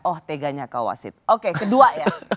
oh teganya kak wasit oke kedua ya